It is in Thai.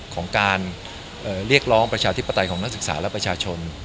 ของการเรียกร้องประชาธิปไตยของนักศึกษาและประชาชน